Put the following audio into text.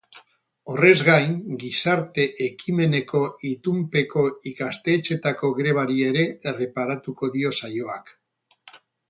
Horrez gain, gizarte ekimeneko itunpeko ikastetxeetako grebari ere erreparatuko dio saioak.